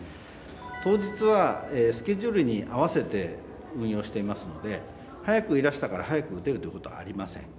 当日はスケジュールに合わせて運用していますので早くいらしたから、早く打てるということはありません。